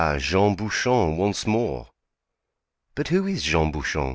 Jean Bouchon once more!" "But who is Jean Bouchon?"